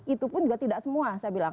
itu pun juga tidak semua saya bilang